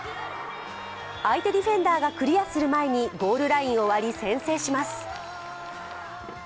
相手ディフェンダーがクリアする前にゴールラインを割り、先制します。